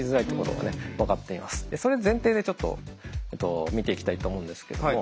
それ前提でちょっと見ていきたいと思うんですけども。